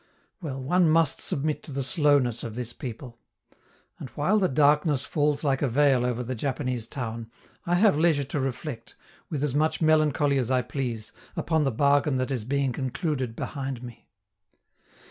Well, one must submit to the slowness of this people. And, while the darkness falls like a veil over the Japanese town, I have leisure to reflect, with as much melancholy as I please, upon the bargain that is being concluded behind me.